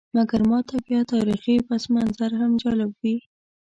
مګر ماته بیا تاریخي پسمنظر هم جالب وي.